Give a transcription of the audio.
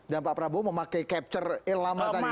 dan pak prabowo memakai capture lama tadi